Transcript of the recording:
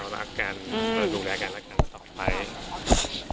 รักกันดูแลกันรักกันต่อไป